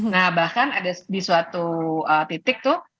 nah bahkan ada di suatu titik tuh